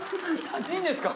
いいんですか。